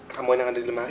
kamu yang ada di lemari